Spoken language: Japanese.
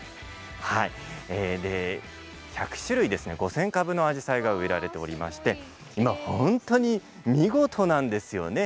１００種類５０００株のアジサイが植えられておりまして今本当に見事なんですよね。